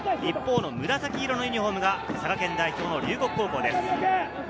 紫色のユニホームが佐賀県代表・龍谷高校です。